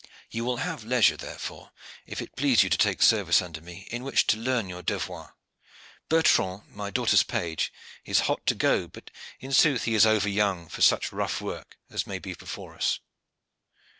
You will have leisure, therefore, if it please you to take service under me, in which to learn your devoir. Bertrand, my daughter's page, is hot to go; but in sooth he is over young for such rough work as may be before us."